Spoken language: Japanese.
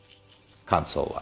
感想は？